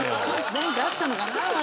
何かあったのかな？